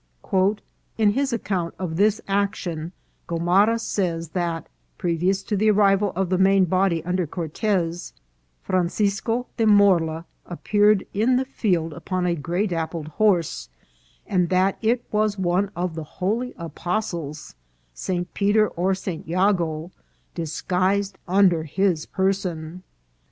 " In his account of this action, Gomara says that, previous to the arrival of the main body under Cortez, Francisco de Morla appeared in the field upon a gray dappled horse, and that it was one of the holy apostles, St. Peter or St. Jago, disguised under his person.